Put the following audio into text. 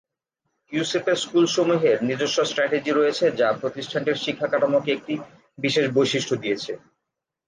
ইউসেপের স্কুলসমূহের নিজস্ব স্ট্র্যাটেজি রয়েছে যা প্রতিষ্ঠানটির শিক্ষাকাঠামোকে একটি বিশেষ বৈশিষ্ট্য দিয়েছে।